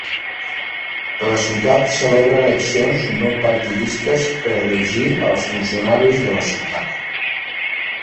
La ciutat celebra eleccions no partidistes per elegir als funcionaris de la ciutat.